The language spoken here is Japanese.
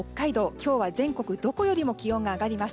今日は全国どこよりも気温が上がります。